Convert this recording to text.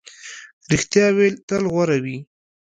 رښتیا ویل تل غوره وي.